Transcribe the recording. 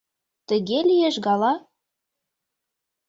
Тыге лиеш гала?